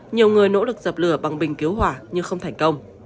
nhiều người nỗ lực dập lửa bằng bình cứu hỏa nhưng không thành công